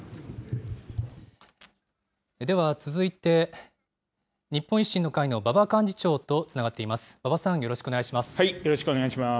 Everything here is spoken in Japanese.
では続いて、日本維新の会の馬場幹事長とつながっています。